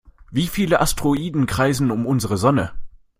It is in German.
Wie viele Asteroiden kreisen um unsere Sonne?